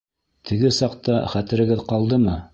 — Теге саҡта хәтерегеҙ ҡалдымы?